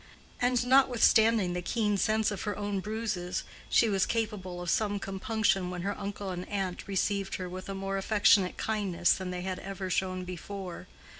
And, notwithstanding the keen sense of her own bruises, she was capable of some compunction when her uncle and aunt received her with a more affectionate kindness than they had ever shown before.